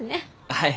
はい。